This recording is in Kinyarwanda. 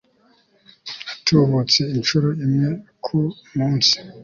atubutse incuro imweku munsi